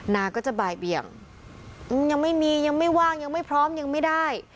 นาก็จะบ่ายเบี่ยงยังไม่มียังไม่ว่างยังไม่พร้อมยังไม่ได้